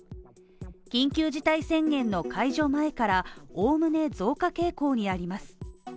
緊急事態宣言の解除前からおおむね増加傾向にあります。